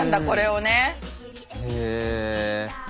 へえ。